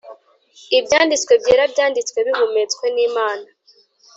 Ibyanditswe byera byanditswe bihumetswe nimana